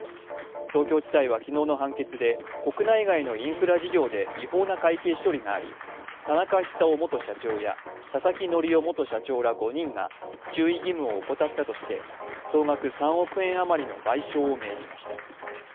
東京地裁は昨日の判決で国内外のインフラ事業で違法な会計処理があり田中久雄元社長や佐々木則夫元社長ら５人が注意義務を怠ったとして総額３億円余りの賠償を命じました